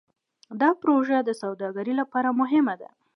دا پروژه د سوداګرۍ لپاره مهمه ده.